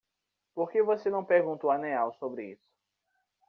Por que você não perguntou a Neal sobre isso?